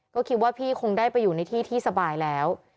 ก็คิดว่าพี่คงได้ไปอยู่ในที่ที่สบายแล้ว